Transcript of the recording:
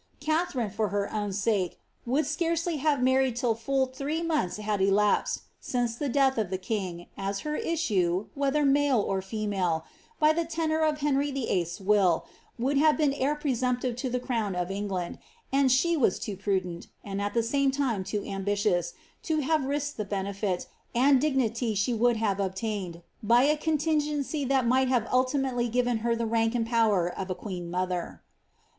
Katharine, for her own sake, would scarcely have married till full three months had elapsed, since the death of the king, as her issue, whether male or female, by the tenour of Hemy Vlll.'s will, would have been heir presumptive to the crown of England, and she was too pnident, and at the same time too ambitious, to liave risked the benefit, and dignity she would have obtained, by a coDtia gency that might have ultimately given her the rank and power oft queen mother.